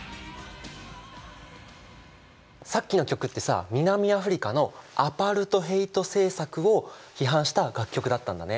さっきの曲ってさ南アフリカのアパルトヘイト政策を批判した楽曲だったんだね。